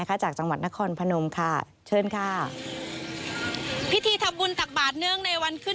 สวัสดีของขาดภูมิขาวจำนวนปีกดลุ